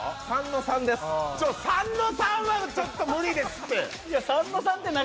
ちょ、３の３はちょっと無理ですって！